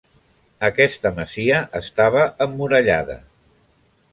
Aquesta masia estava emmurallada.